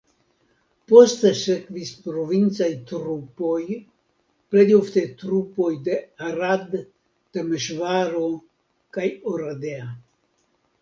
Poste sekvis provincaj trupoj plej ofte trupoj de Arad, Temeŝvaro kaj Oradea.